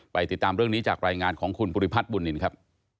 ติดตามเรื่องนี้จากรายงานของคุณภูริพัฒน์บุญนินครับ